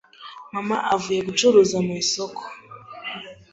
mama avuye gucuruza mu isoko